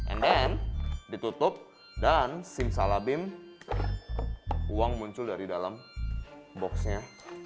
and then ditutup dan simsalabim uang muncul dari dalam box nya